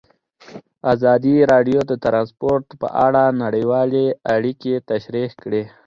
ازادي راډیو د ترانسپورټ په اړه نړیوالې اړیکې تشریح کړي.